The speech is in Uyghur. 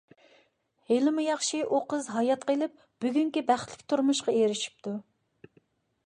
ھېلىمۇ ياخشى ئۇ قىز ھايات قېلىپ بۈگۈنكى بەختلىك تۇرمۇشقا ئېرىشىپتۇ.